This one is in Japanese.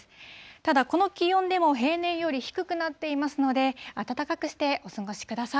ただ、この気温でも平年より低くなっていますので、暖かくしてお過ごしください。